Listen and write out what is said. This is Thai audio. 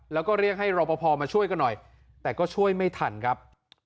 แล้วก็เรียกให้รอปภมาช่วยกันหน่อยแต่ก็ช่วยไม่ทันครับ